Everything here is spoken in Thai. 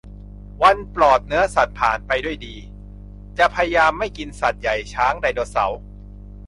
วันปลอดเนื้อสัตว์ผ่านไปด้วยดี จะพยายามไม่กินสัตว์ใหญ่ช้าง ไดโนเสาร์